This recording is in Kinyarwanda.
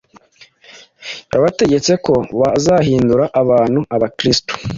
Yabategetse ko bazahindura abantu abakristu